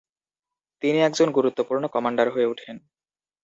তিনি একজন গুরুত্বপূর্ণ কমান্ডার হয়ে উঠেন।